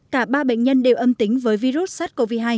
cả ba bệnh nhân đều âm tính với virus sars cov hai